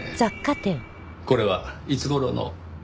これはいつ頃の？